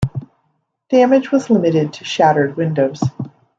Damage was limited to shattered windows.